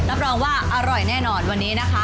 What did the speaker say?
รับรองว่าอร่อยแน่นอนวันนี้นะคะ